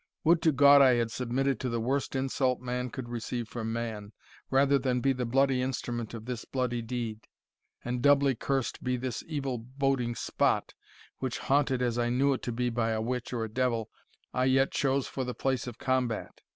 Would to God I had submitted to the worst insult man could receive from man, rather than be the bloody instrument of this bloody deed and doubly cursed be this evil boding spot, which, haunted as I knew it to be by a witch or a devil, I yet chose for the place of combat!